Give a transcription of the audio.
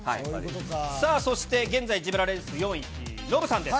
さあ、そして現在、自腹レースで４位、ノブさんです。